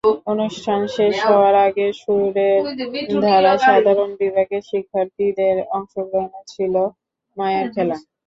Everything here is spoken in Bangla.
অনুষ্ঠান শেষ হওয়ার আগে সুরের ধারার সাধারণ বিভাগের শিক্ষার্থীদের অংশগ্রহণে ছিল মায়ার খেলা।